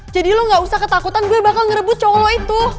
jadi lo gak usah ketakutan gue bakal ngerebut cowok lo itu